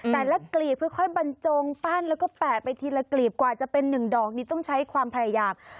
กลีบค่อยบรรจงปั้นแล้วก็แปะไปทีละกลีบกว่าจะเป็น๑ดอกนี่ต้องใช้ความพยายาม